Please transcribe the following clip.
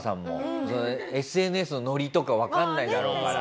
ＳＮＳのノリとかわかんないだろうから。